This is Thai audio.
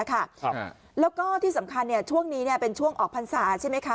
แล้วก็ที่สำคัญช่วงนี้เป็นช่วงออกพรรษาใช่ไหมคะ